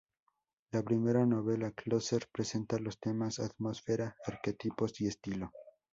La primera novela, "Closer", presenta los temas, atmósfera, arquetipos y estilo.